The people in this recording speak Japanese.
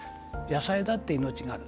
野菜だって命がある。